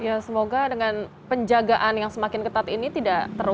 ya semoga dengan penjagaan yang semakin ketat ini tidak terulang